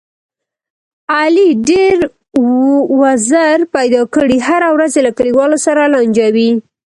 علي ډېر وزر پیدا کړي، هره ورځ یې له کلیوالو سره لانجه وي.